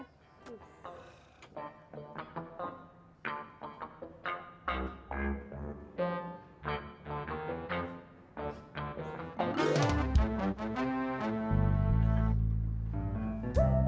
tum tum tum